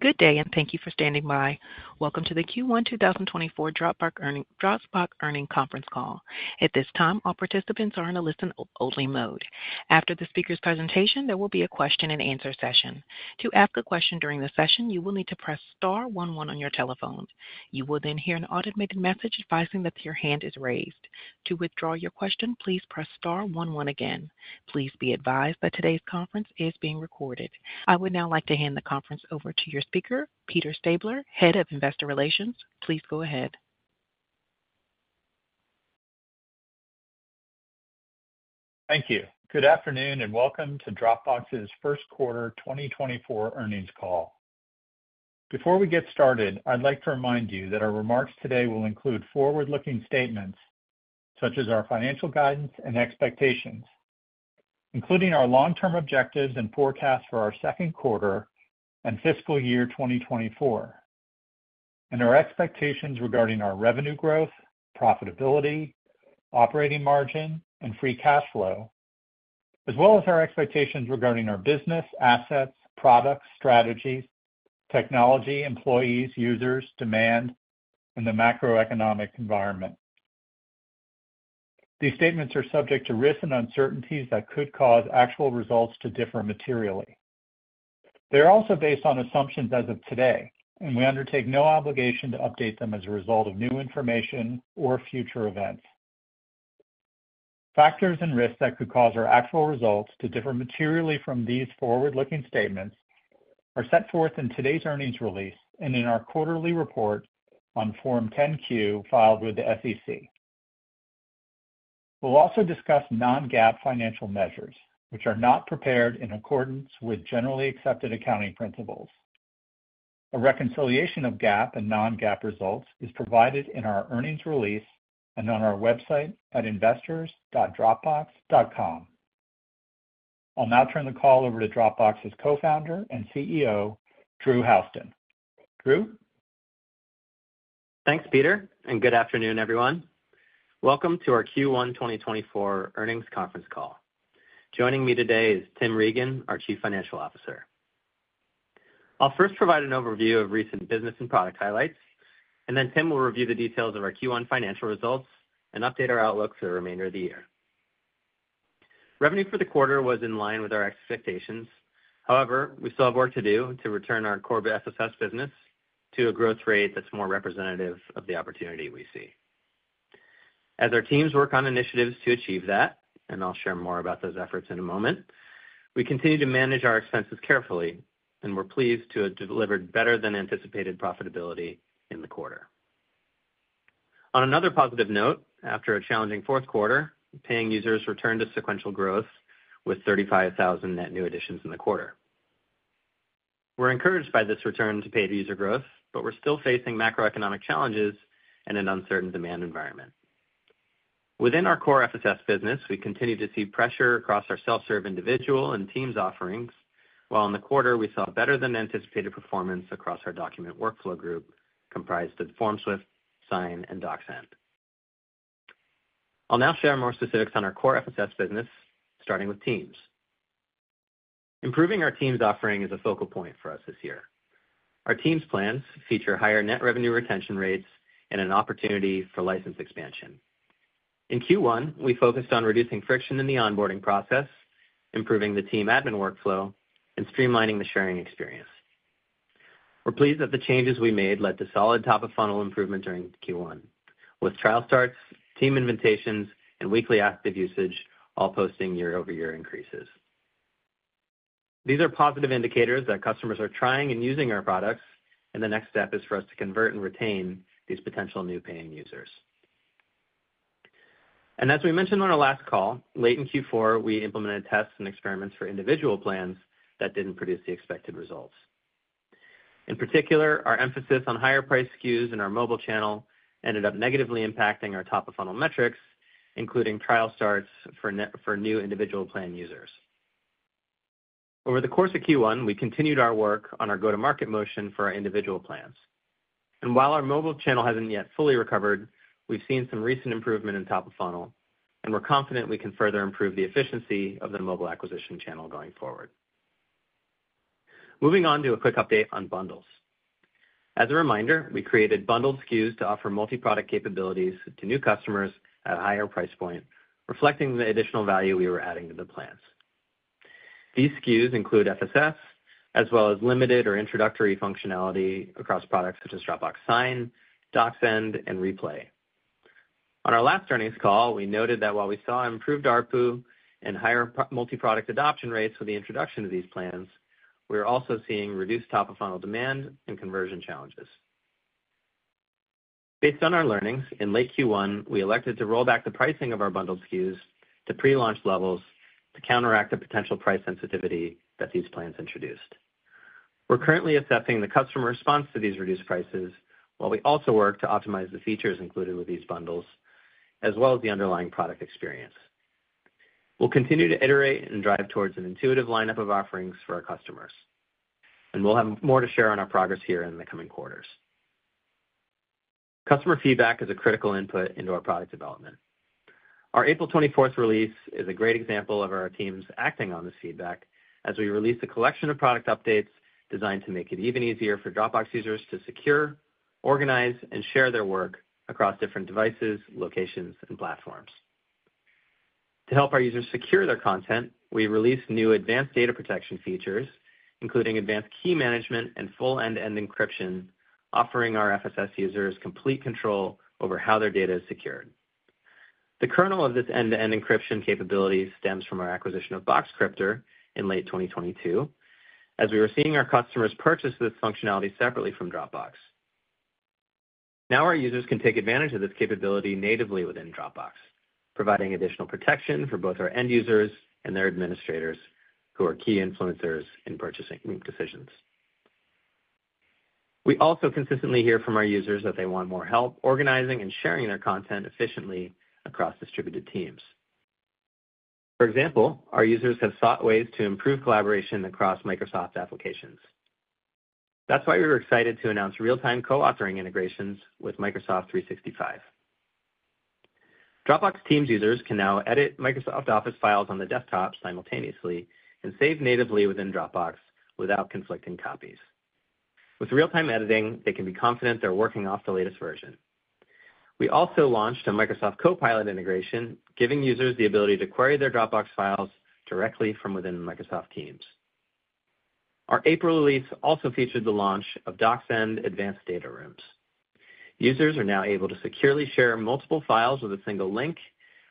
Good day, and thank you for standing by. Welcome to the Q1 2024 Dropbox earnings conference call. At this time, all participants are in a listen-only mode. After the speaker's presentation, there will be a question-and-answer session. To ask a question during the session, you will need to press star one one on your telephone. You will then hear an automated message advising that your hand is raised. To withdraw your question, please press star one one again. Please be advised that today's conference is being recorded. I would now like to hand the conference over to your speaker, Peter Stabler, Head of Investor Relations. Please go ahead. Thank you. Good afternoon and welcome to Dropbox's first quarter 2024 earnings call. Before we get started, I'd like to remind you that our remarks today will include forward-looking statements such as our financial guidance and expectations, including our long-term objectives and forecast for our second quarter and fiscal year 2024, and our expectations regarding our revenue growth, profitability, operating margin, and free cash flow, as well as our expectations regarding our business, assets, products, strategies, technology, employees, users, demand, and the macroeconomic environment. These statements are subject to risks and uncertainties that could cause actual results to differ materially. They are also based on assumptions as of today, and we undertake no obligation to update them as a result of new information or future events. Factors and risks that could cause our actual results to differ materially from these forward-looking statements are set forth in today's earnings release and in our quarterly report on Form 10-Q filed with the SEC. We'll also discuss non-GAAP financial measures, which are not prepared in accordance with generally accepted accounting principles. A reconciliation of GAAP and non-GAAP results is provided in our earnings release and on our website at investors.dropbox.com. I'll now turn the call over to Dropbox's Co-founder and CEO, Drew Houston. Drew? Thanks, Peter, and good afternoon, everyone. Welcome to our Q1 2024 earnings conference call. Joining me today is Tim Regan, our Chief Financial Officer. I'll first provide an overview of recent business and product highlights, and then Tim will review the details of our Q1 financial results and update our outlook for the remainder of the year. Revenue for the quarter was in line with our expectations. However, we still have work to do to return our core FSS business to a growth rate that's more representative of the opportunity we see. As our teams work on initiatives to achieve that, and I'll share more about those efforts in a moment, we continue to manage our expenses carefully, and we're pleased to have delivered better than anticipated profitability in the quarter. On another positive note, after a challenging fourth quarter, paying users returned to sequential growth with 35,000 net new additions in the quarter. We're encouraged by this return to paid user growth, but we're still facing macroeconomic challenges and an uncertain demand environment. Within our core FSS business, we continue to see pressure across our self-serve individual and Teams offerings, while in the quarter, we saw better than anticipated performance across our document workflow group comprised of FormSwift, Sign, and DocSend. I'll now share more specifics on our core FSS business, starting with Teams. Improving our Teams offering is a focal point for us this year. Our Teams plans feature higher net revenue retention rates and an opportunity for license expansion. In Q1, we focused on reducing friction in the onboarding process, improving the team admin workflow, and streamlining the sharing experience. We're pleased that the changes we made led to solid top-of-funnel improvement during Q1, with trial starts, team invitations, and weekly active usage all posting year-over-year increases. These are positive indicators that customers are trying and using our products, and the next step is for us to convert and retain these potential new paying users. As we mentioned on our last call, late in Q4, we implemented tests and experiments for individual plans that didn't produce the expected results. In particular, our emphasis on higher-priced SKUs in our mobile channel ended up negatively impacting our top-of-funnel metrics, including trial starts for new individual plan users. Over the course of Q1, we continued our work on our go-to-market motion for our individual plans. While our mobile channel hasn't yet fully recovered, we've seen some recent improvement in top-of-funnel, and we're confident we can further improve the efficiency of the mobile acquisition channel going forward. Moving on to a quick update on bundles. As a reminder, we created bundled SKUs to offer multi-product capabilities to new customers at a higher price point, reflecting the additional value we were adding to the plans. These SKUs include FSS, as well as limited or introductory functionality across products such as Dropbox Sign, DocSend, and Replay. On our last earnings call, we noted that while we saw improved ARPU and higher multi-product adoption rates with the introduction of these plans, we were also seeing reduced top-of-funnel demand and conversion challenges. Based on our learnings in late Q1, we elected to roll back the pricing of our bundled SKUs to pre-launch levels to counteract the potential price sensitivity that these plans introduced. We're currently assessing the customer response to these reduced prices while we also work to optimize the features included with these bundles, as well as the underlying product experience. We'll continue to iterate and drive towards an intuitive lineup of offerings for our customers, and we'll have more to share on our progress here in the coming quarters. Customer feedback is a critical input into our product development. Our April 24 release is a great example of our teams acting on this feedback as we release a collection of product updates designed to make it even easier for Dropbox users to secure, organize, and share their work across different devices, locations, and platforms. To help our users secure their content, we released new advanced data protection features, including advanced key management and full end-to-end encryption, offering our FSS users complete control over how their data is secured. The kernel of this end-to-end encryption capability stems from our acquisition of Boxcryptor in late 2022, as we were seeing our customers purchase this functionality separately from Dropbox. Now our users can take advantage of this capability natively within Dropbox, providing additional protection for both our end users and their administrators, who are key influencers in purchasing decisions. We also consistently hear from our users that they want more help organizing and sharing their content efficiently across distributed teams. For example, our users have sought ways to improve collaboration across Microsoft applications. That's why we were excited to announce real-time co-authoring integrations with Microsoft 365. Dropbox Teams users can now edit Microsoft Office files on the desktop simultaneously and save natively within Dropbox without conflicting copies. With real-time editing, they can be confident they're working off the latest version. We also launched a Microsoft Copilot integration, giving users the ability to query their Dropbox files directly from within Microsoft Teams. Our April release also featured the launch of DocSend Advanced Data Rooms. Users are now able to securely share multiple files with a single link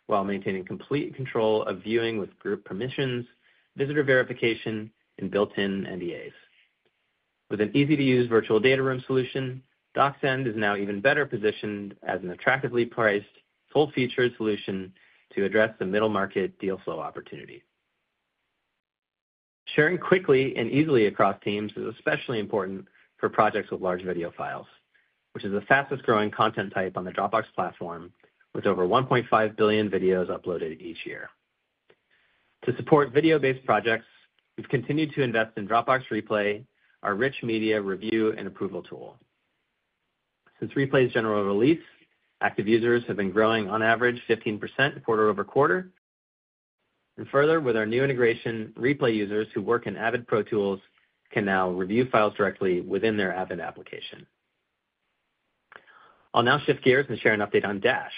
while maintaining complete control of viewing with group permissions, visitor verification, and built-in NDAs. With an easy-to-use virtual data room solution, DocSend is now even better positioned as an attractively priced, full-featured solution to address the middle-market deal flow opportunity. Sharing quickly and easily across teams is especially important for projects with large video files, which is the fastest-growing content type on the Dropbox platform, with over 1.5 billion videos uploaded each year. To support video-based projects, we've continued to invest in Dropbox Replay, our rich media review and approval tool. Since Replay's general release, active users have been growing on average 15% quarter-over-quarter. Further, with our new integration, Replay users who work in Avid Pro Tools can now review files directly within their Avid application. I'll now shift gears and share an update on Dash,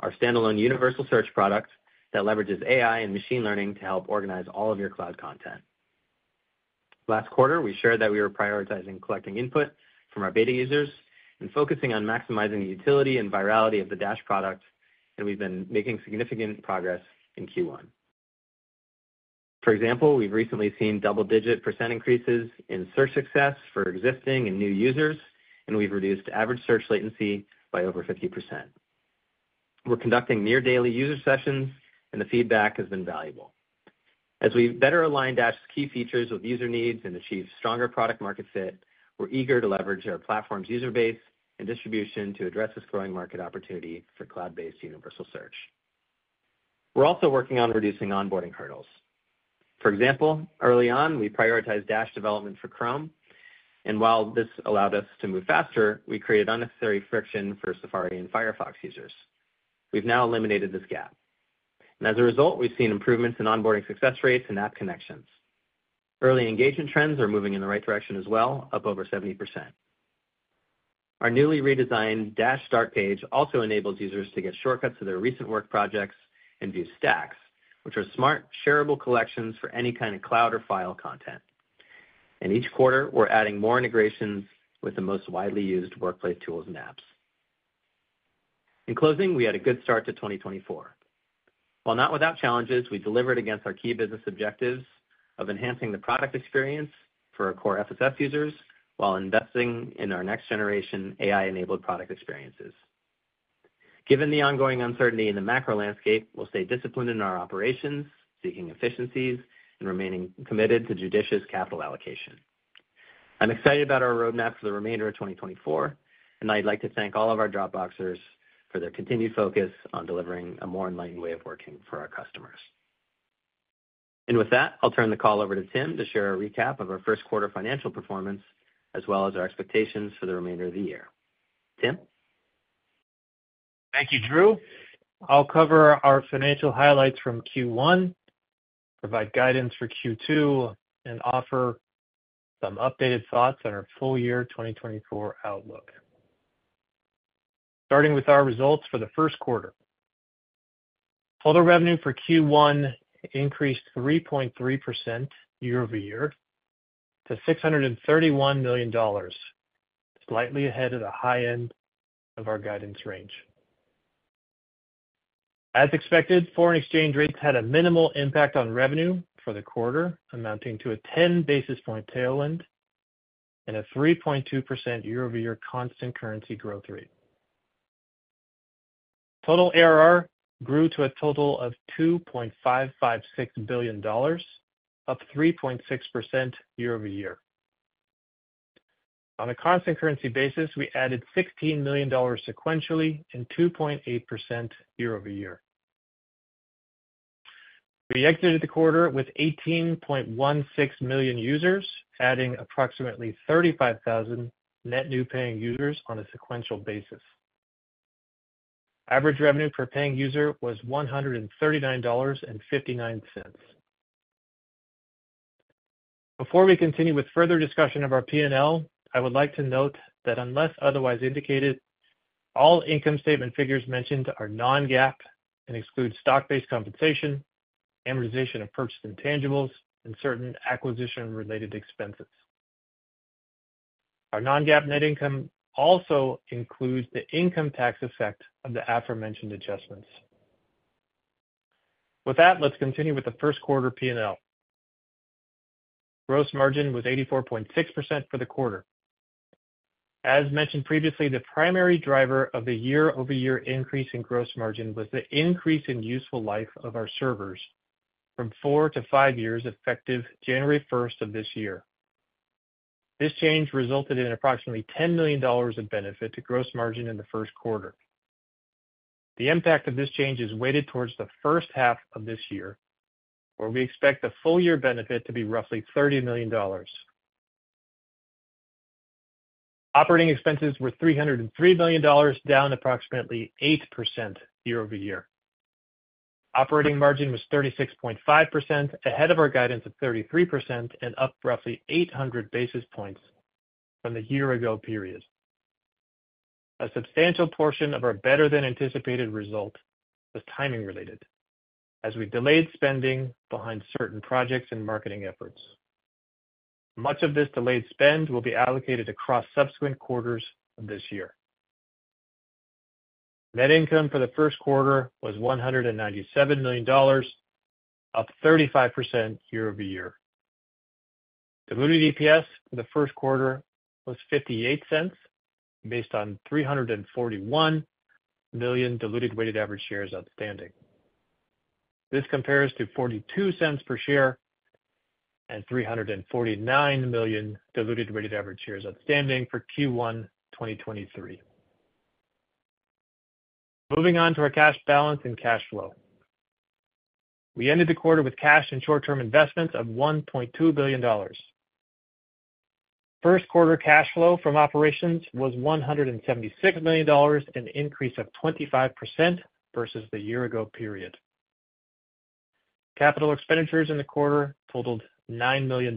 our standalone universal search product that leverages AI and machine learning to help organize all of your cloud content. Last quarter, we shared that we were prioritizing collecting input from our beta users and focusing on maximizing the utility and virality of the Dash product, and we've been making significant progress in Q1. For example, we've recently seen double-digit % increases in search success for existing and new users, and we've reduced average search latency by over 50%. We're conducting near-daily user sessions, and the feedback has been valuable. As we better align Dash's key features with user needs and achieve stronger product-market fit, we're eager to leverage our platform's user base and distribution to address this growing market opportunity for cloud-based universal search. We're also working on reducing onboarding hurdles. For example, early on, we prioritized Dash development for Chrome. And while this allowed us to move faster, we created unnecessary friction for Safari and Firefox users. We've now eliminated this gap. As a result, we've seen improvements in onboarding success rates and app connections. Early engagement trends are moving in the right direction as well, up over 70%. Our newly redesigned Dash Start page also enables users to get shortcuts to their recent work projects and view Stacks, which are smart, shareable collections for any kind of cloud or file content. Each quarter, we're adding more integrations with the most widely used workplace tools and apps. In closing, we had a good start to 2024. While not without challenges, we delivered against our key business objectives of enhancing the product experience for our core FSS users while investing in our next-generation AI-enabled product experiences. Given the ongoing uncertainty in the macro landscape, we'll stay disciplined in our operations, seeking efficiencies, and remaining committed to judicious capital allocation. I'm excited about our roadmap for the remainder of 2024, and I'd like to thank all of our Dropboxers for their continued focus on delivering a more enlightened way of working for our customers. With that, I'll turn the call over to Tim to share a recap of our first quarter financial performance as well as our expectations for the remainder of the year. Tim? Thank you, Drew. I'll cover our financial highlights from Q1, provide guidance for Q2, and offer some updated thoughts on our full-year 2024 outlook. Starting with our results for the first quarter, total revenue for Q1 increased 3.3% year-over-year to $631 million, slightly ahead of the high end of our guidance range. As expected, foreign exchange rates had a minimal impact on revenue for the quarter, amounting to a 10 basis point tailwind and a 3.2% year-over-year constant currency growth rate. Total ARR grew to a total of $2.556 billion, up 3.6% year-over-year. On a constant currency basis, we added $16 million sequentially and 2.8% year-over-year. We exited the quarter with 18.16 million users, adding approximately 35,000 net new paying users on a sequential basis. Average revenue per paying user was $139.59. Before we continue with further discussion of our P&L, I would like to note that unless otherwise indicated, all income statement figures mentioned are non-GAAP and exclude stock-based compensation, amortization of purchased intangibles, and certain acquisition-related expenses. Our non-GAAP net income also includes the income tax effect of the aforementioned adjustments. With that, let's continue with the first quarter P&L. Gross margin was 84.6% for the quarter. As mentioned previously, the primary driver of the year-over-year increase in gross margin was the increase in useful life of our servers from four to five years effective January 1 of this year. This change resulted in approximately $10 million in benefit to gross margin in the first quarter. The impact of this change is weighted towards the first half of this year, where we expect the full-year benefit to be roughly $30 million. Operating expenses were $303 million, down approximately 8% year-over-year. Operating margin was 36.5%, ahead of our guidance of 33% and up roughly 800 basis points from the year-ago period. A substantial portion of our better-than-anticipated result was timing-related, as we delayed spending behind certain projects and marketing efforts. Much of this delayed spend will be allocated across subsequent quarters of this year. Net income for the first quarter was $197 million, up 35% year-over-year. Diluted EPS for the first quarter was $0.58, based on 341 million diluted weighted average shares outstanding. This compares to $0.42 per share and 349 million diluted weighted average shares outstanding for Q1 2023. Moving on to our cash balance and cash flow. We ended the quarter with cash and short-term investments of $1.2 billion. First quarter cash flow from operations was $176 million, an increase of 25% versus the year-ago period. Capital expenditures in the quarter totaled $9 million.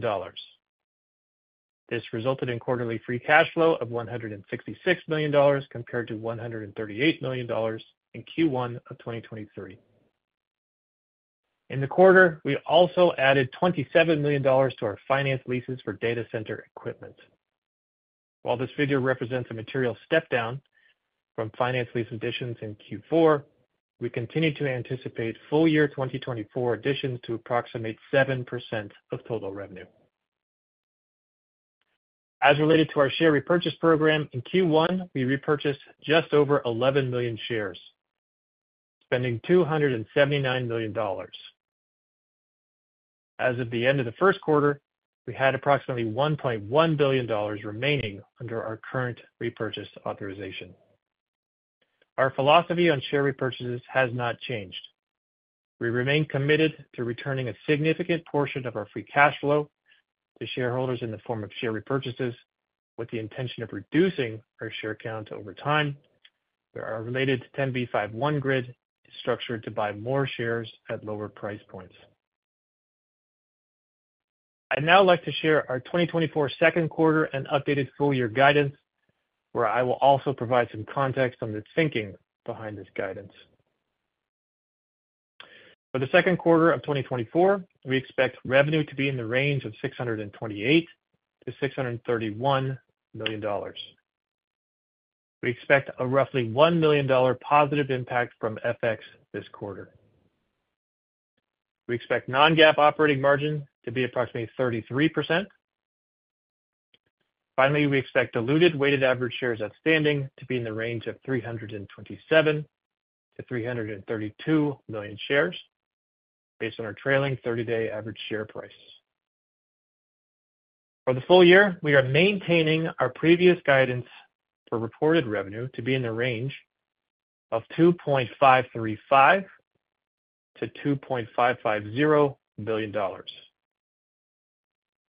This resulted in quarterly free cash flow of $166 million compared to $138 million in Q1 of 2023. In the quarter, we also added $27 million to our finance leases for data center equipment. While this figure represents a material step down from finance lease additions in Q4, we continue to anticipate full-year 2024 additions to approximate 7% of total revenue. As related to our share repurchase program, in Q1, we repurchased just over 11 million shares, spending $279 million. As of the end of the first quarter, we had approximately $1.1 billion remaining under our current repurchase authorization. Our philosophy on share repurchases has not changed. We remain committed to returning a significant portion of our free cash flow to shareholders in the form of share repurchases, with the intention of reducing our share count over time. Our related 10b5-1 grid is structured to buy more shares at lower price points. I'd now like to share our 2024 second quarter and updated full-year guidance, where I will also provide some context on the thinking behind this guidance. For the second quarter of 2024, we expect revenue to be in the range of $628 million-$631 million. We expect a roughly $1 million positive impact from FX this quarter. We expect non-GAAP operating margin to be approximately 33%. Finally, we expect diluted weighted average shares outstanding to be in the range of 327 million-332 million shares, based on our trailing 30-day average share price. For the full year, we are maintaining our previous guidance for reported revenue to be in the range of $2.535 billion-$2.550 billion. Our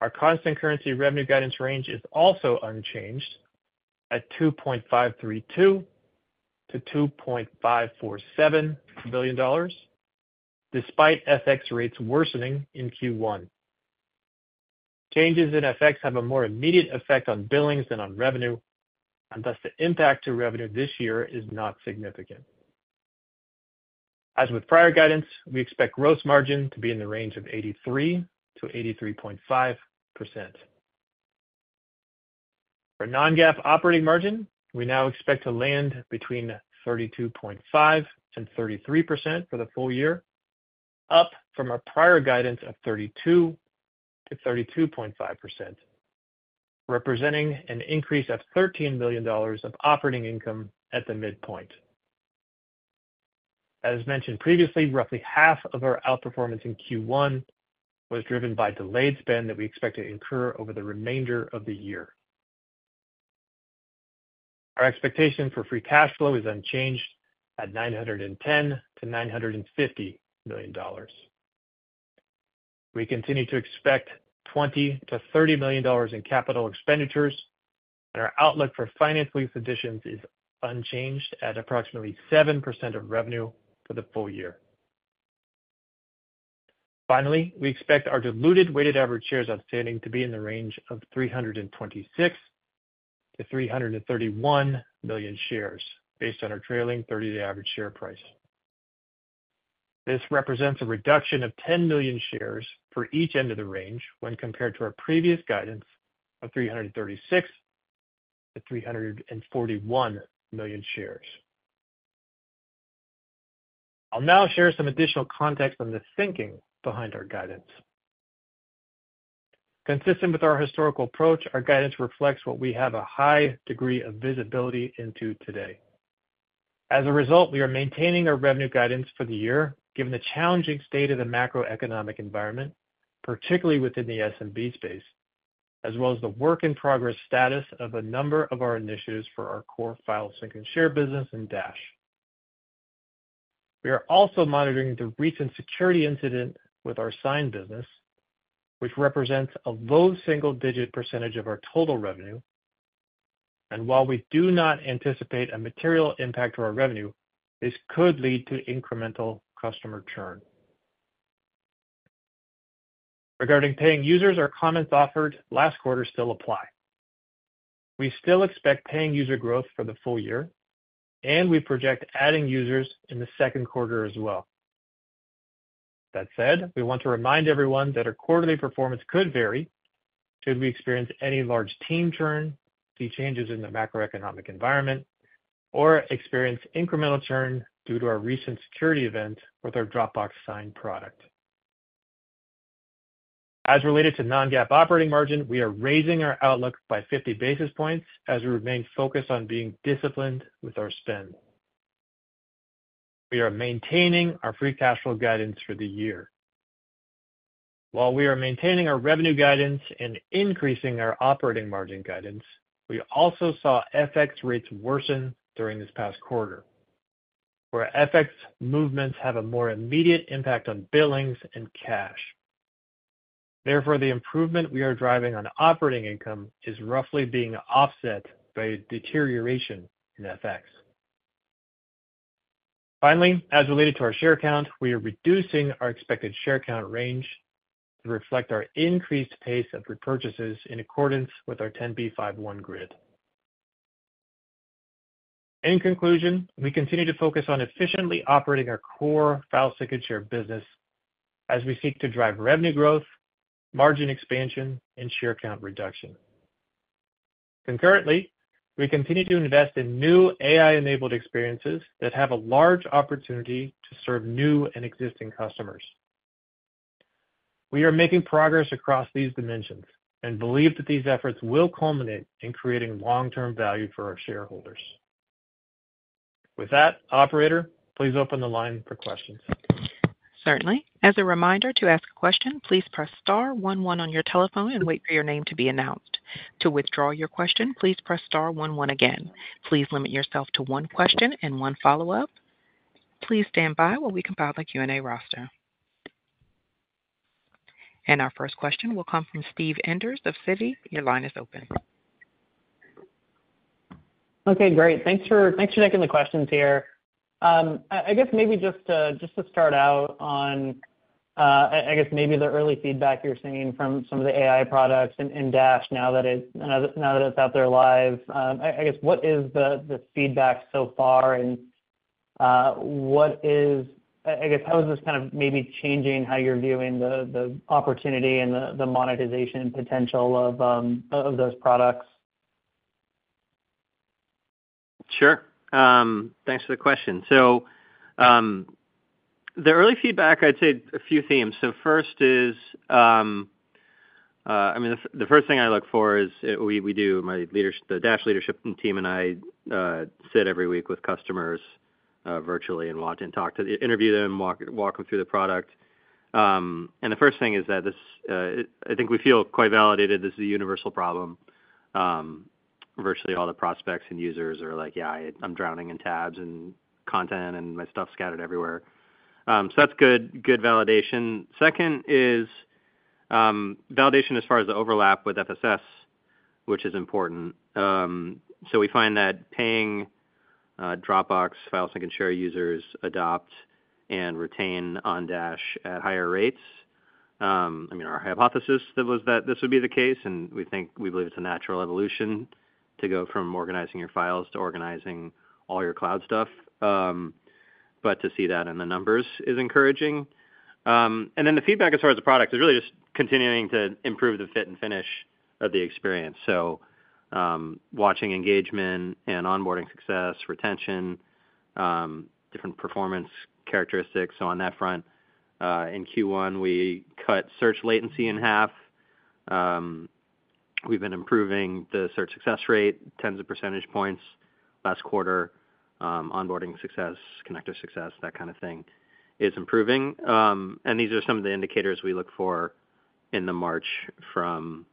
constant currency revenue guidance range is also unchanged at $2.532 billion-$2.547 billion, despite FX rates worsening in Q1. Changes in FX have a more immediate effect on billings than on revenue, and thus the impact to revenue this year is not significant. As with prior guidance, we expect gross margin to be in the range of 83%-83.5%. For non-GAAP operating margin, we now expect to land between 32.5%-33% for the full year, up from our prior guidance of 32%-32.5%, representing an increase of $13 million of operating income at the midpoint. As mentioned previously, roughly half of our outperformance in Q1 was driven by delayed spend that we expect to incur over the remainder of the year. Our expectation for free cash flow is unchanged at $910 million-$950 million. We continue to expect $20 million-$30 million in capital expenditures, and our outlook for finance lease additions is unchanged at approximately 7% of revenue for the full year. Finally, we expect our diluted weighted average shares outstanding to be in the range of 326 million -331 million shares, based on our trailing 30-day average share price. This represents a reduction of 10 million shares for each end of the range when compared to our previous guidance of 336 million-341 million shares. I'll now share some additional context on the thinking behind our guidance. Consistent with our historical approach, our guidance reflects what we have a high degree of visibility into today. As a result, we are maintaining our revenue guidance for the year, given the challenging state of the macroeconomic environment, particularly within the SMB space, as well as the work-in-progress status of a number of our initiatives for our core file sync and share business in Dash. We are also monitoring the recent security incident with our Sign business, which represents a low single-digit percentage of our total revenue. While we do not anticipate a material impact to our revenue, this could lead to incremental customer churn. Regarding paying users, our comments offered last quarter still apply. We still expect paying user growth for the full year, and we project adding users in the second quarter as well. That said, we want to remind everyone that our quarterly performance could vary should we experience any large team churn, see changes in the macroeconomic environment, or experience incremental churn due to our recent security event with our Dropbox Sign product. As related to non-GAAP operating margin, we are raising our outlook by 50 basis points as we remain focused on being disciplined with our spend. We are maintaining our free cash flow guidance for the year. While we are maintaining our revenue guidance and increasing our operating margin guidance, we also saw FX rates worsen during this past quarter, where FX movements have a more immediate impact on billings and cash. Therefore, the improvement we are driving on operating income is roughly being offset by a deterioration in FX. Finally, as related to our share count, we are reducing our expected share count range to reflect our increased pace of repurchases in accordance with our 10b5-1 grid. In conclusion, we continue to focus on efficiently operating our core file sync and share business as we seek to drive revenue growth, margin expansion, and share count reduction. Concurrently, we continue to invest in new AI-enabled experiences that have a large opportunity to serve new and existing customers. We are making progress across these dimensions and believe that these efforts will culminate in creating long-term value for our shareholders. With that, operator, please open the line for questions. Certainly. As a reminder, to ask a question, please press star one one on your telephone and wait for your name to be announced. To withdraw your question, please press star one one again. Please limit yourself to one question and one follow-up. Please stand by while we compile the Q&A roster. Our first question will come from Steve Enders of Citi. Your line is open. Okay, great. Thanks for taking the questions here. I guess maybe just to start out on, I guess, maybe the early feedback you're seeing from some of the AI products in Dash now that it's out there live, I guess, what is the feedback so far? And I guess, how is this kind of maybe changing how you're viewing the opportunity and the monetization potential of those products? Sure. Thanks for the question. So the early feedback, I'd say a few themes. So first is, I mean, the first thing I look for is we do, the Dash leadership team and I, sit every week with customers virtually and walk and talk to interview them and walk them through the product. And the first thing is that I think we feel quite validated this is a universal problem. Virtually all the prospects and users are like, "Yeah, I'm drowning in tabs and content and my stuff scattered everywhere." So that's good validation. Second is validation as far as the overlap with FSS, which is important. So we find that paying Dropbox file sync and share users adopt and retain on Dash at higher rates. I mean, our hypothesis was that this would be the case, and we believe it's a natural evolution to go from organizing your files to organizing all your cloud stuff. But to see that in the numbers is encouraging. And then the feedback as far as the product is really just continuing to improve the fit and finish of the experience. So watching engagement and onboarding success, retention, different performance characteristics. So on that front, in Q1, we cut search latency in half. We've been improving the search success rate tens of percentage points last quarter. Onboarding success, connector success, that kind of thing is improving. And these are some of the indicators we look for in the march from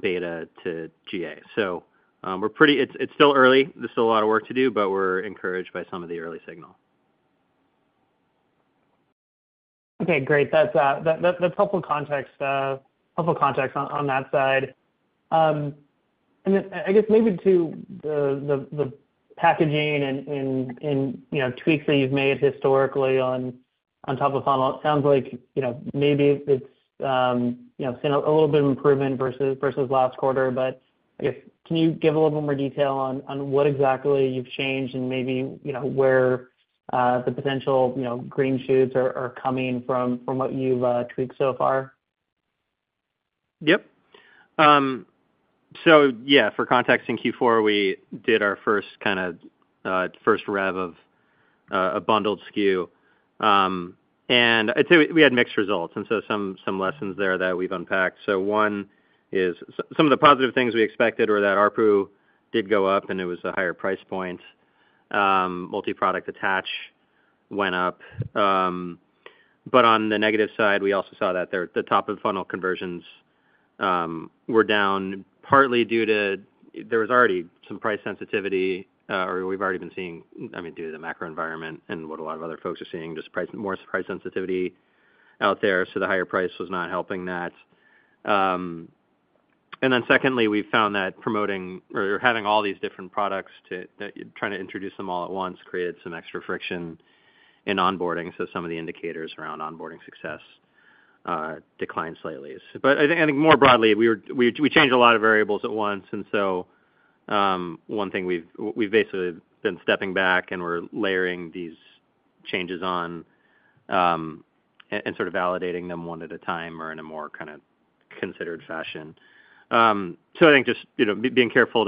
Beta to GA. So it's still early. There's still a lot of work to do, but we're encouraged by some of the early signal. Okay, great. That's helpful context on that side. And then I guess maybe to the packaging and tweaks that you've made historically on top of funnel, it sounds like maybe it's seen a little bit of improvement versus last quarter. But I guess, can you give a little bit more detail on what exactly you've changed and maybe where the potential green shoots are coming from what you've tweaked so far? Yep. So yeah, for context, in Q4, we did our first kind of first rev of a bundled SKU. I'd say we had mixed results, and so some lessons there that we've unpacked. One is some of the positive things we expected were that ARPU did go up, and it was a higher price point. Multi-product attach went up. But on the negative side, we also saw that the top-of-funnel conversions were down partly due to there was already some price sensitivity, or we've already been seeing, I mean, due to the macro environment and what a lot of other folks are seeing, just more price sensitivity out there. The higher price was not helping that. Then secondly, we've found that promoting or having all these different products, trying to introduce them all at once, created some extra friction in onboarding. So some of the indicators around onboarding success declined slightly. But I think more broadly, we changed a lot of variables at once. And so one thing we've basically been stepping back, and we're layering these changes on and sort of validating them one at a time or in a more kind of considered fashion. So I think just being careful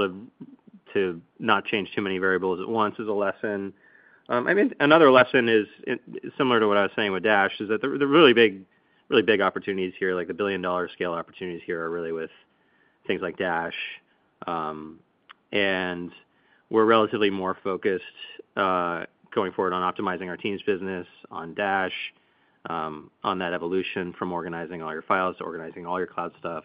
to not change too many variables at once is a lesson. I mean, another lesson is similar to what I was saying with Dash is that the really big opportunities here, like the billion-dollar scale opportunities here, are really with things like Dash. And we're relatively more focused going forward on optimizing our team's business on Dash, on that evolution from organizing all your files to organizing all your cloud stuff.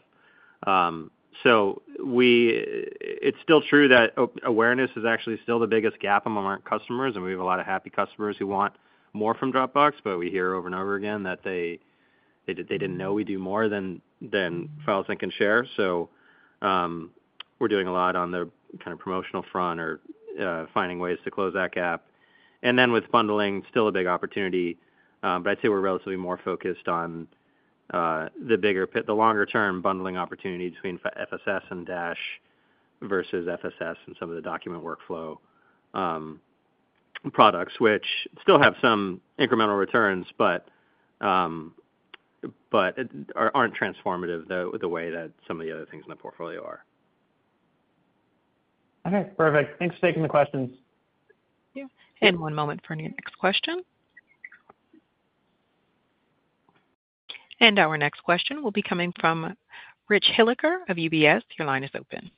So it's still true that awareness is actually still the biggest gap among our customers. We have a lot of happy customers who want more from Dropbox, but we hear over and over again that they didn't know we do more than file sync and share. We're doing a lot on the kind of promotional front or finding ways to close that gap. Then with bundling, still a big opportunity, but I'd say we're relatively more focused on the longer-term bundling opportunity between FSS and Dash versus FSS and some of the document workflow products, which still have some incremental returns but aren't transformative the way that some of the other things in the portfolio are. Okay, perfect. Thanks for taking the questions. Yeah. One moment for our next question. Our next question will be coming from Rich Hilliker of UBS. Your line is open.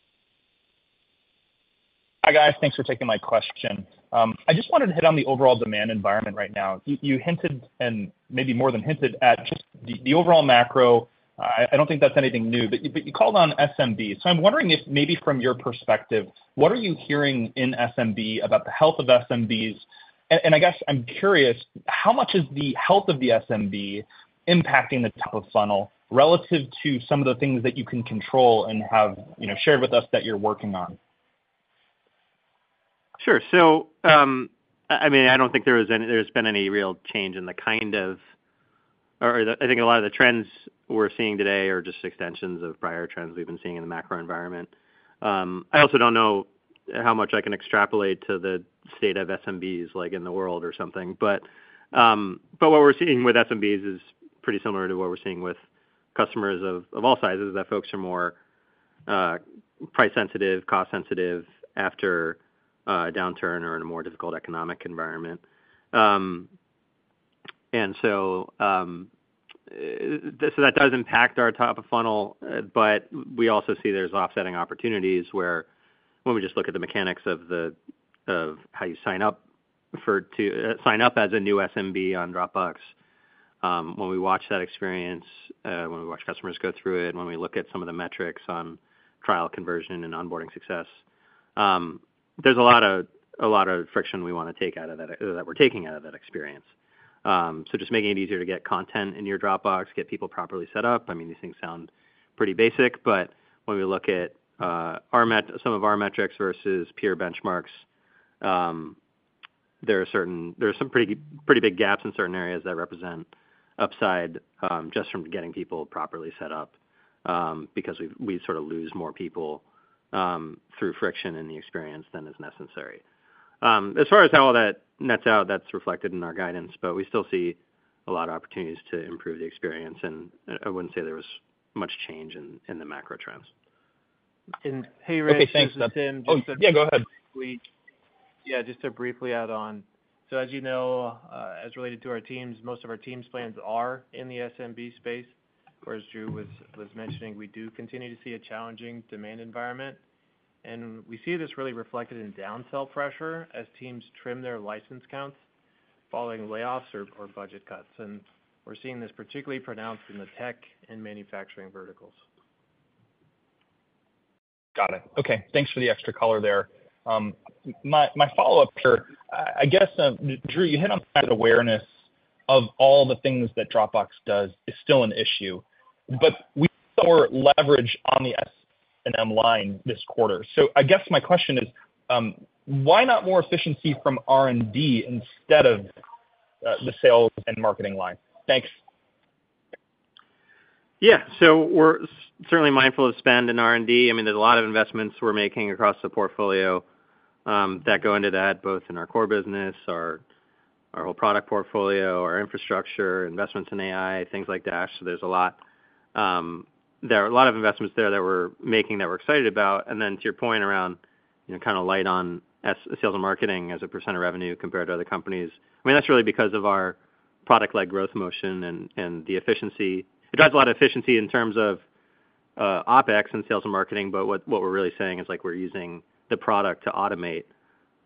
Hi guys. Thanks for taking my question. I just wanted to hit on the overall demand environment right now. You hinted and maybe more than hinted at just the overall macro. I don't think that's anything new, but you called on SMB. So I'm wondering if maybe from your perspective, what are you hearing in SMB about the health of SMBs? And I guess I'm curious, how much is the health of the SMB impacting the top of funnel relative to some of the things that you can control and have shared with us that you're working on? Sure. So, I mean, I don't think there's been any real change in the kind of, or I think a lot of the trends we're seeing today are just extensions of prior trends we've been seeing in the macro environment. I also don't know how much I can extrapolate to the state of SMBs in the world or something. But what we're seeing with SMBs is pretty similar to what we're seeing with customers of all sizes, that folks are more price-sensitive, cost-sensitive after a downturn or in a more difficult economic environment. And so that does impact our top of funnel, but we also see there's offsetting opportunities where when we just look at the mechanics of how you sign up as a new SMB on Dropbox, when we watch that experience, when we watch customers go through it, when we look at some of the metrics on trial conversion and onboarding success, there's a lot of friction we want to take out of that or that we're taking out of that experience. So just making it easier to get content in your Dropbox, get people properly set up. I mean, these things sound pretty basic, but when we look at some of our metrics versus peer benchmarks, there are some pretty big gaps in certain areas that represent upside just from getting people properly set up because we sort of lose more people through friction in the experience than is necessary. As far as how all that nets out, that's reflected in our guidance, but we still see a lot of opportunities to improve the experience. And I wouldn't say there was much change in the macro trends. Hey, Rich, Tim, just to. Okay, thanks. Yeah, go ahead. Yeah, just to briefly add on. So as you know, as related to our teams, most of our teams' plans are in the SMB space. Whereas Drew was mentioning, we do continue to see a challenging demand environment. And we see this really reflected in downsell pressure as teams trim their license counts following layoffs or budget cuts. And we're seeing this particularly pronounced in the tech and manufacturing verticals. Got it. Okay. Thanks for the extra color there. My follow-up here, I guess, Drew, you hit on the awareness of all the things that Dropbox does is still an issue. But we saw more leverage on the S&M line this quarter. So I guess my question is, why not more efficiency from R&D instead of the sales and marketing line? Thanks. Yeah. So we're certainly mindful of spend in R&D. I mean, there's a lot of investments we're making across the portfolio that go into that, both in our core business, our whole product portfolio, our infrastructure, investments in AI, things like Dash. So there's a lot of investments there that we're making that we're excited about. And then to your point around kind of light on sales and marketing as a percent of revenue compared to other companies, I mean, that's really because of our product-led growth motion and the efficiency. It drives a lot of efficiency in terms of OPEX and sales and marketing, but what we're really saying is we're using the product to automate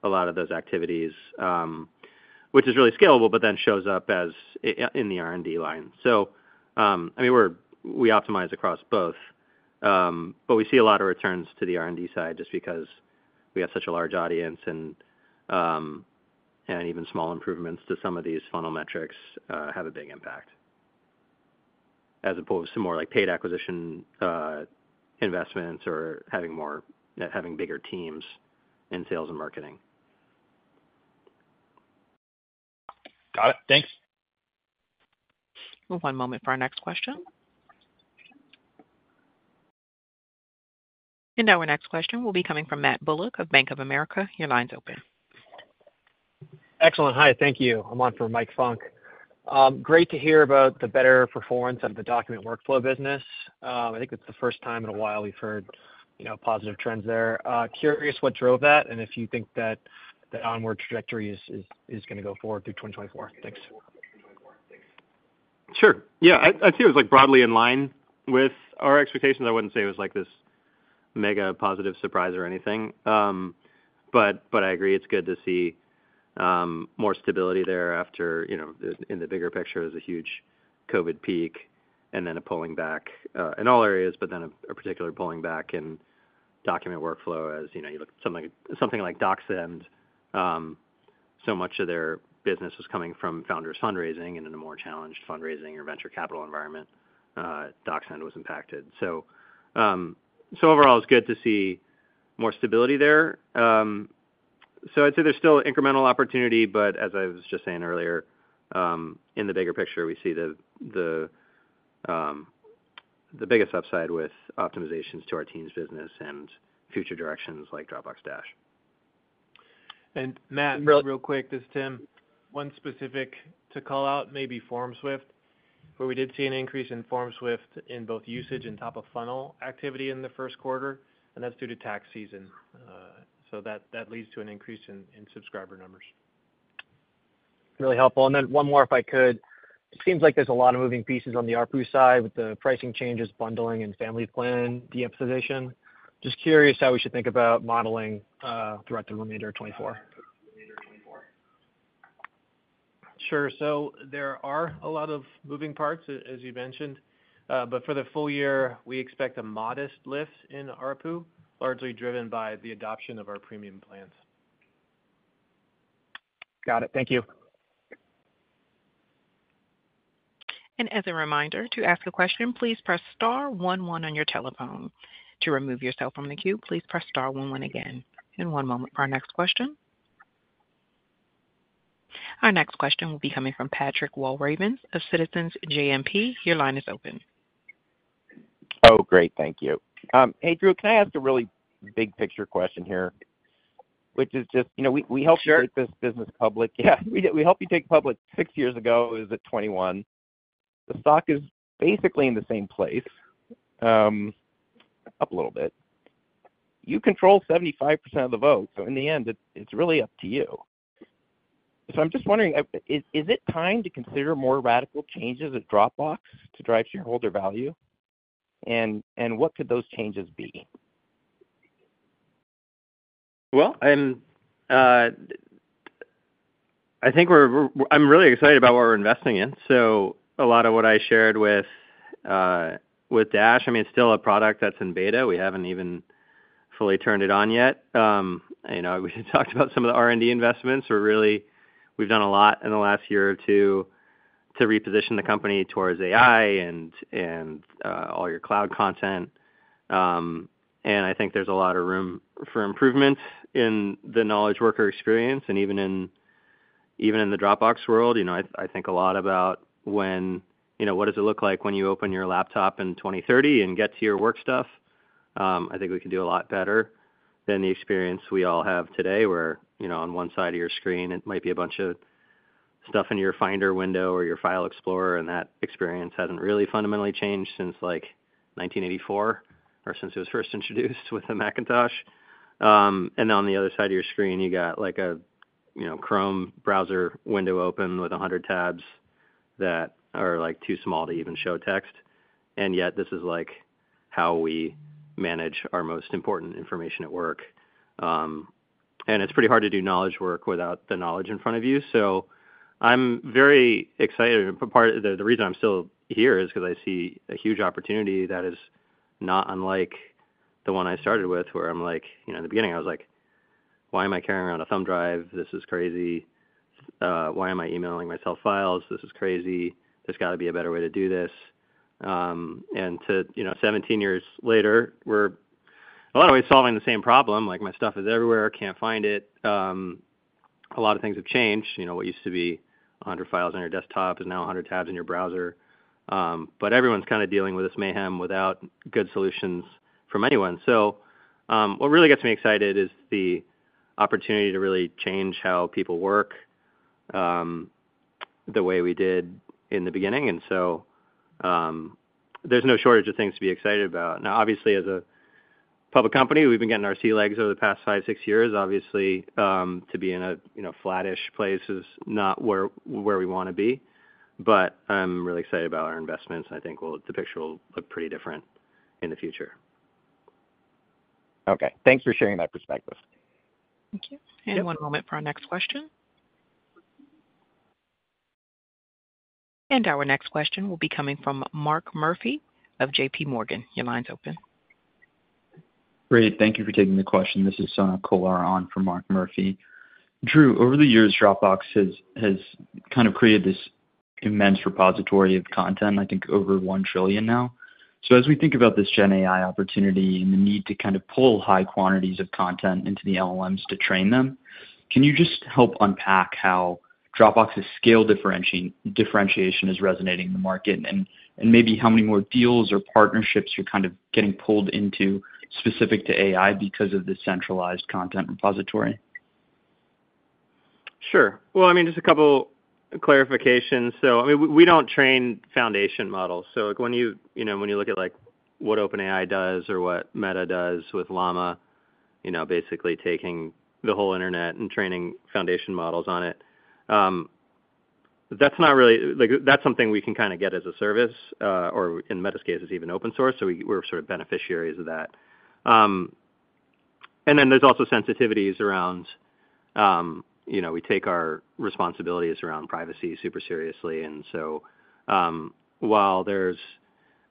a lot of those activities, which is really scalable, but then shows up in the R&D line. So I mean, we optimize across both, but we see a lot of returns to the R&D side just because we have such a large audience and even small improvements to some of these funnel metrics have a big impact as opposed to more paid acquisition investments or having bigger teams in sales and marketing. Got it. Thanks. One moment for our next question. Now our next question will be coming from Matt Bullock of Bank of America. Your line's open. Excellent. Hi. Thank you. I'm on for Mike Funk. Great to hear about the better performance of the document workflow business. I think it's the first time in a while we've heard positive trends there. Curious what drove that and if you think that onward trajectory is going to go forward through 2024. Thanks. Sure. Yeah. I'd say it was broadly in line with our expectations. I wouldn't say it was this mega positive surprise or anything. But I agree, it's good to see more stability there. After, in the bigger picture, is a huge COVID peak and then a pulling back in all areas, but then a particular pulling back in document workflow as you look at something like DocSend, so much of their business was coming from founders' fundraising and in a more challenged fundraising or venture capital environment, DocSend was impacted. So overall, it's good to see more stability there. So I'd say there's still incremental opportunity, but as I was just saying earlier, in the bigger picture, we see the biggest upside with optimizations to our team's business and future directions like Dropbox Dash. Matt, real quick, this is Tim. One specific to call out, maybe FormSwift, where we did see an increase in FormSwift in both usage and top-of-funnel activity in the first quarter. That's due to tax season. That leads to an increase in subscriber numbers. Really helpful. And then one more, if I could. It seems like there's a lot of moving pieces on the ARPU side with the pricing changes, bundling, and Family plan de-emphasization. Just curious how we should think about modeling throughout the remainder of 2024? Sure. So there are a lot of moving parts, as you mentioned. But for the full year, we expect a modest lift in ARPU, largely driven by the adoption of our premium plans. Got it. Thank you. As a reminder, to ask a question, please press star one one on your telephone. To remove yourself from the queue, please press star one one again. One moment for our next question. Our next question will be coming from Patrick Walravens of Citizens JMP. Your line is open. Oh, great. Thank you. Hey, Drew, can I ask a really big picture question here, which is just we helped you take this business public. Yeah. We helped you take public six years ago. It was at 2021. The stock is basically in the same place, up a little bit. You control 75% of the vote. So in the end, it's really up to you. So I'm just wondering, is it time to consider more radical changes at Dropbox to drive shareholder value? And what could those changes be? Well, I think I'm really excited about what we're investing in. So a lot of what I shared with Dash, I mean, it's still a product that's in beta. We talked about some of the R&D investments. We've done a lot in the last year or two to reposition the company towards AI and all your cloud content. And I think there's a lot of room for improvements in the knowledge worker experience. And even in the Dropbox world, I think a lot about what does it look like when you open your laptop in 2030 and get to your work stuff? I think we could do a lot better than the experience we all have today where on one side of your screen, it might be a bunch of stuff in your Finder window or your File Explorer, and that experience hasn't really fundamentally changed since 1984 or since it was first introduced with the Macintosh. And then on the other side of your screen, you got a Chrome browser window open with 100 tabs that are too small to even show text. And yet, this is how we manage our most important information at work. And it's pretty hard to do knowledge work without the knowledge in front of you. So I'm very excited. The reason I'm still here is because I see a huge opportunity that is not unlike the one I started with where I'm like in the beginning, I was like, "Why am I carrying around a thumb drive? This is crazy. Why am I emailing myself files? This is crazy. There's got to be a better way to do this." And to 17 years later, we're in a lot of ways solving the same problem. My stuff is everywhere. I can't find it. A lot of things have changed. What used to be 100 files on your desktop is now 100 tabs in your browser. But everyone's kind of dealing with this mayhem without good solutions from anyone. So what really gets me excited is the opportunity to really change how people work the way we did in the beginning. So there's no shortage of things to be excited about. Now, obviously, as a public company, we've been getting our sea legs over the past 5, 6 years. Obviously, to be in a flattish place is not where we want to be. But I'm really excited about our investments. And I think the picture will look pretty different in the future. Okay. Thanks for sharing that perspective. Thank you. One moment for our next question. Our next question will be coming from Mark Murphy of JP Morgan. Your line's open. Great. Thank you for taking the question. This is Sonak Kolar on for Mark Murphy. Drew, over the years, Dropbox has kind of created this immense repository of content, I think over 1 trillion now. So as we think about this Gen AI opportunity and the need to kind of pull high quantities of content into the LLMs to train them, can you just help unpack how Dropbox's scale differentiation is resonating in the market and maybe how many more deals or partnerships you're kind of getting pulled into specific to AI because of this centralized content repository? Sure. Well, I mean, just a couple of clarifications. So I mean, we don't train foundation models. So when you look at what OpenAI does or what Meta does with Llama, basically taking the whole internet and training foundation models on it, that's not really that's something we can kind of get as a service or in Meta's case, it's even open source. So we're sort of beneficiaries of that. And then there's also sensitivities around we take our responsibilities around privacy super seriously. And so while there's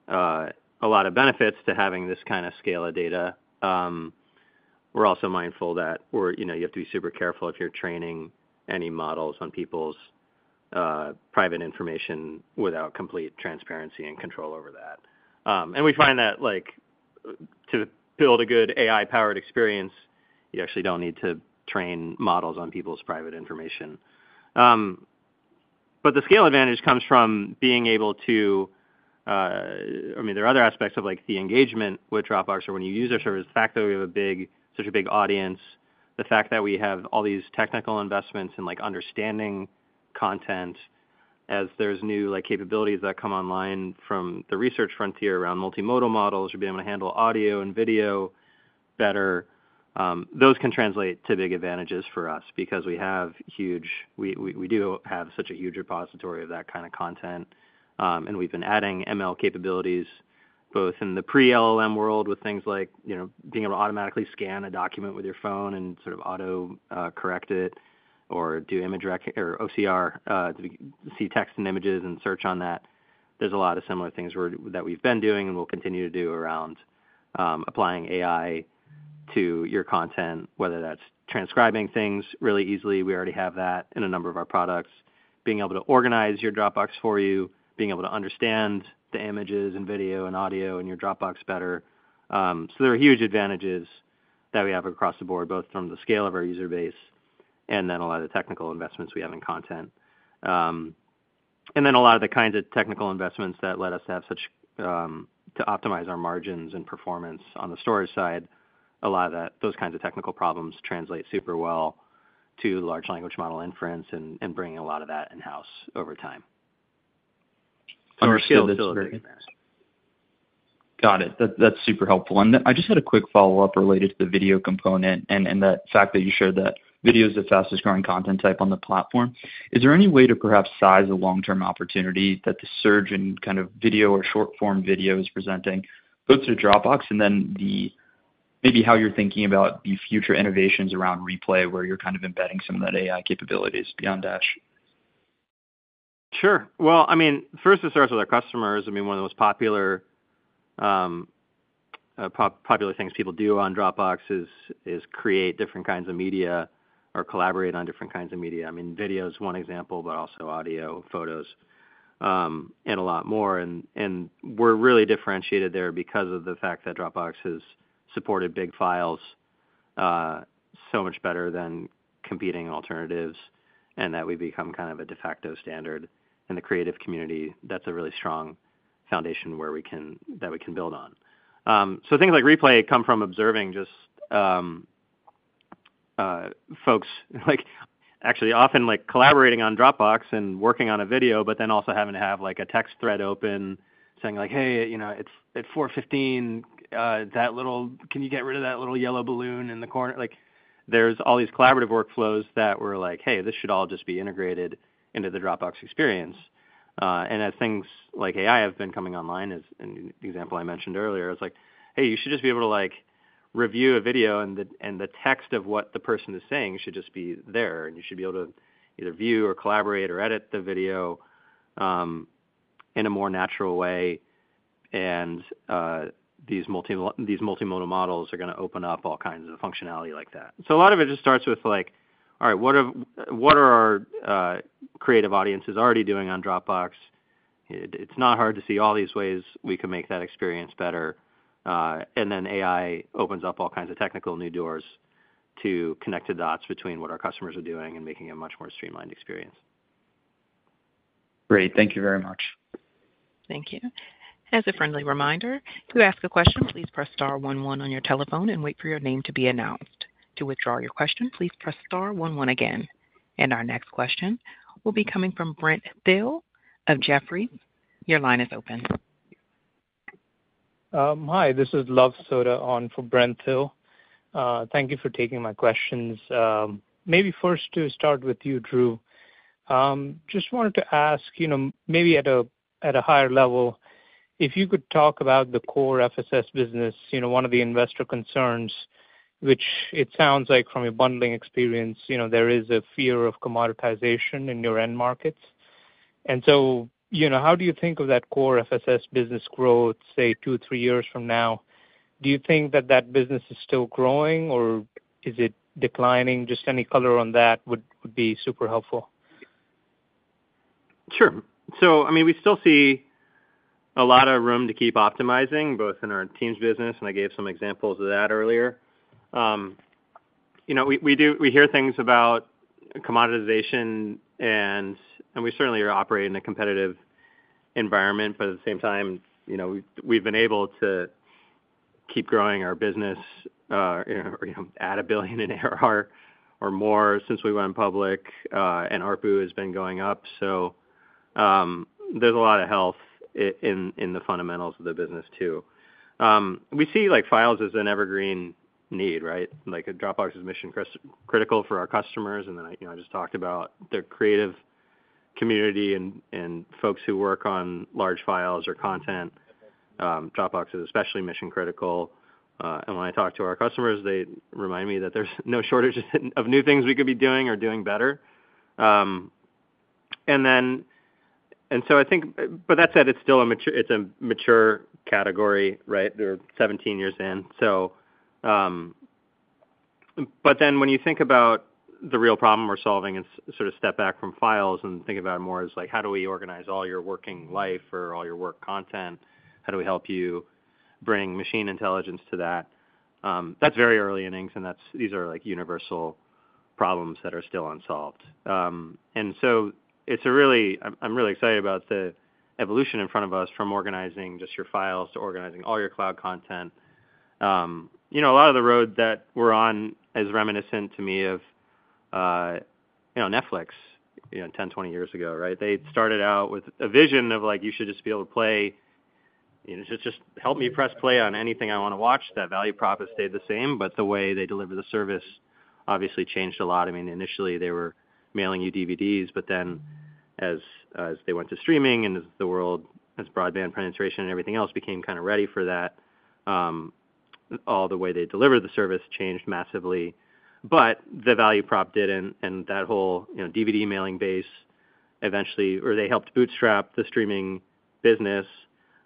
a lot of benefits to having this kind of scale of data, we're also mindful that you have to be super careful if you're training any models on people's private information without complete transparency and control over that. And we find that to build a good AI-powered experience, you actually don't need to train models on people's private information. But the scale advantage comes from being able to—I mean, there are other aspects of the engagement with Dropbox or when you use our service—the fact that we have such a big audience, the fact that we have all these technical investments in understanding content as there's new capabilities that come online from the research frontier around multimodal models, you're being able to handle audio and video better. Those can translate to big advantages for us because we do have such a huge repository of that kind of content. And we've been adding ML capabilities both in the pre-LLM world with things like being able to automatically scan a document with your phone and sort of autocorrect it or do image or OCR to see text and images and search on that. There's a lot of similar things that we've been doing and we'll continue to do around applying AI to your content, whether that's transcribing things really easily. We already have that in a number of our products. Being able to organize your Dropbox for you, being able to understand the images and video and audio in your Dropbox better. So there are huge advantages that we have across the board, both from the scale of our user base and then a lot of the technical investments we have in content. And then a lot of the kinds of technical investments that let us have such to optimize our margins and performance on the storage side, a lot of those kinds of technical problems translate super well to large language model inference and bringing a lot of that in-house over time. So our skills are really advanced. Got it. That's super helpful. I just had a quick follow-up related to the video component and the fact that you shared that video is the fastest-growing content type on the platform. Is there any way to perhaps size a long-term opportunity that the surge in kind of video or short-form video is presenting both to Dropbox and then maybe how you're thinking about the future innovations around Replay where you're kind of embedding some of that AI capabilities beyond Dash? Sure. Well, I mean, first, it starts with our customers. I mean, one of the most popular things people do on Dropbox is create different kinds of media or collaborate on different kinds of media. I mean, video is one example, but also audio, photos, and a lot more. And we're really differentiated there because of the fact that Dropbox has supported big files so much better than competing alternatives and that we've become kind of a de facto standard in the creative community. That's a really strong foundation that we can build on. So things like Replay come from observing just folks actually often collaborating on Dropbox and working on a video, but then also having to have a text thread open saying like, "Hey, at 4:15, can you get rid of that little yellow balloon in the corner?" There's all these collaborative workflows that were like, "Hey, this should all just be integrated into the Dropbox experience." And as things like AI have been coming online, an example I mentioned earlier, it's like, "Hey, you should just be able to review a video, and the text of what the person is saying should just be there. And you should be able to either view or collaborate or edit the video in a more natural way. These multimodal models are going to open up all kinds of functionality like that." So a lot of it just starts with like, "All right, what are our creative audiences already doing on Dropbox? It's not hard to see all these ways we can make that experience better." And then AI opens up all kinds of technical new doors to connect the dots between what our customers are doing and making a much more streamlined experience. Great. Thank you very much. Thank you. And as a friendly reminder, to ask a question, please press star one one on your telephone and wait for your name to be announced. To withdraw your question, please press star one one again. And our next question will be coming from Brent Thill of Jefferies. Your line is open. Hi. This is Luv Sodha on for Brent Thill. Thank you for taking my questions. Maybe first to start with you, Drew, just wanted to ask maybe at a higher level, if you could talk about the core FSS business, one of the investor concerns, which it sounds like from your bundling experience, there is a fear of commoditization in your end markets. And so how do you think of that core FSS business growth, say, two, three years from now? Do you think that that business is still growing, or is it declining? Just any color on that would be super helpful. Sure. So I mean, we still see a lot of room to keep optimizing, both in our Teams business, and I gave some examples of that earlier. We hear things about commoditization, and we certainly are operating in a competitive environment. But at the same time, we've been able to keep growing our business or add $1 billion in ARR or more since we went public, and ARPU has been going up. So there's a lot of health in the fundamentals of the business too. We see files as an evergreen need, right? Dropbox is mission critical for our customers. And then I just talked about the creative community and folks who work on large files or content. Dropbox is especially mission critical. And when I talk to our customers, they remind me that there's no shortage of new things we could be doing or doing better. So I think, but that said, it's a mature category, right? They're 17 years in. But then when you think about the real problem we're solving and sort of step back from files and think about it more as like, "How do we organize all your working life or all your work content? How do we help you bring machine intelligence to that?" That's very early innings, and these are universal problems that are still unsolved. And so I'm really excited about the evolution in front of us from organizing just your files to organizing all your cloud content. A lot of the road that we're on is reminiscent to me of Netflix 10, 20 years ago, right? They started out with a vision of, like, "You should just be able to play just help me press play on anything I want to watch." That value prop has stayed the same, but the way they deliver the service obviously changed a lot. I mean, initially, they were mailing you DVDs. But then as they went to streaming and as the world's broadband penetration and everything else became kind of ready for that, the way they delivered the service changed massively. But the value prop didn't, and that whole DVD mailing base eventually, they helped bootstrap the streaming business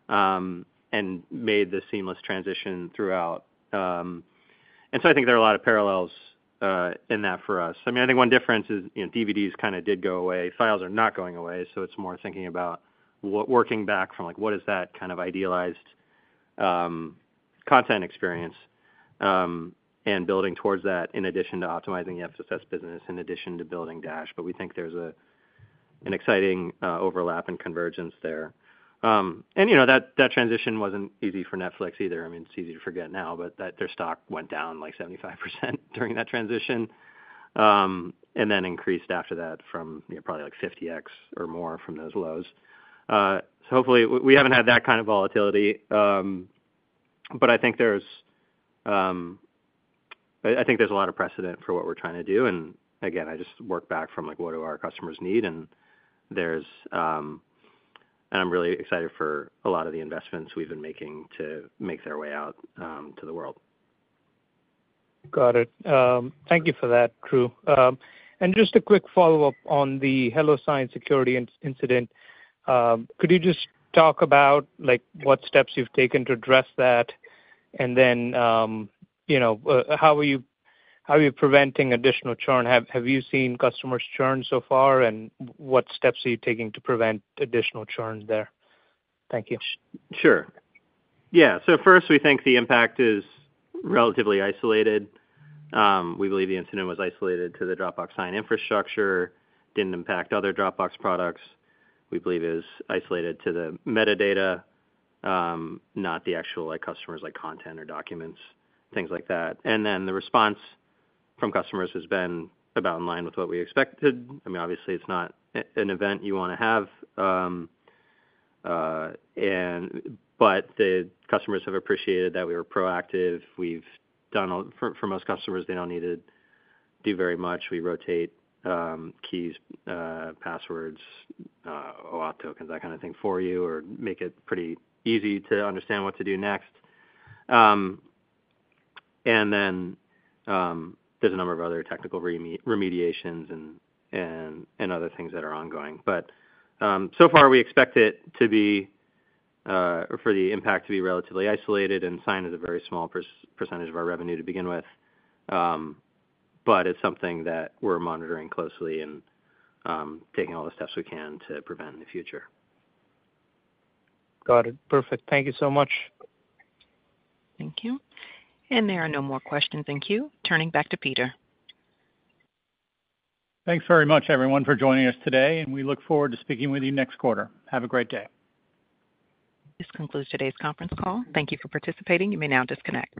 and made the seamless transition throughout. And so I think there are a lot of parallels in that for us. I mean, I think one difference is DVDs kind of did go away. Files are not going away. So it's more thinking about working back from what is that kind of idealized content experience and building towards that in addition to optimizing the FSS business in addition to building Dash. But we think there's an exciting overlap and convergence there. And that transition wasn't easy for Netflix either. I mean, it's easy to forget now, but their stock went down like 75% during that transition and then increased after that from probably like 50x or more from those lows. So hopefully, we haven't had that kind of volatility. But I think there's a lot of precedent for what we're trying to do. And again, I just work back from what do our customers need? And I'm really excited for a lot of the investments we've been making to make their way out to the world. Got it. Thank you for that, Drew. Just a quick follow-up on the HelloSign security incident. Could you just talk about what steps you've taken to address that? And then how are you preventing additional churn? Have you seen customers churn so far? And what steps are you taking to prevent additional churn there? Thank you. Sure. Yeah. So first, we think the impact is relatively isolated. We believe the incident was isolated to the Dropbox Sign infrastructure, didn't impact other Dropbox products. We believe it is isolated to the metadata, not the actual customers' content or documents, things like that. And then the response from customers has been about in line with what we expected. I mean, obviously, it's not an event you want to have. But the customers have appreciated that we were proactive. For most customers, they don't need to do very much. We rotate keys, passwords, OAuth tokens, that kind of thing for you or make it pretty easy to understand what to do next. And then there's a number of other technical remediations and other things that are ongoing. But so far, we expect it to be or for the impact to be relatively isolated, and Sign is a very small percentage of our revenue to begin with. But it's something that we're monitoring closely and taking all the steps we can to prevent in the future. Got it. Perfect. Thank you so much. Thank you. There are no more questions. Thank you. Turning back to Peter. Thanks very much, everyone, for joining us today. We look forward to speaking with you next quarter. Have a great day. This concludes today's conference call. Thank you for participating. You may now disconnect.